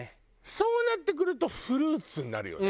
そうなってくるとフルーツになるよね。